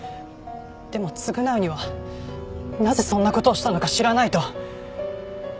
でも償うにはなぜそんな事をしたのか知らないと！